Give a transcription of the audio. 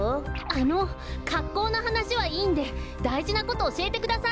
あのかっこうのはなしはいいんでだいじなことおしえてください。